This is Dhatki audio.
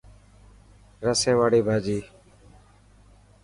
رسي واڙي ڀاڄي.